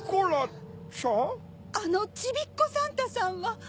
あのちびっこサンタさんは？